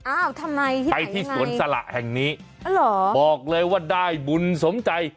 อ้าวทำไมที่ไหนยังไงอ๋อหรอบอกเลยว่าได้บุญสมใจ